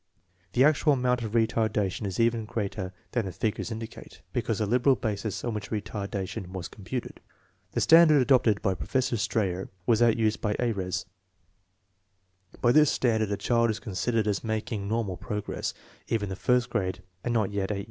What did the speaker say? The actual amount of retardation is even greater than the figures indicate, because of the liberal basis on which retardation was computed. The standard adopted by Professor Strayer was that used by Ayres, By this standard a child is considered as 'making nor mal progress if in the first grade and not yet eight 1 Strayer, G.